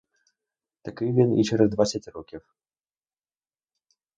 Такий він і через двадцять років.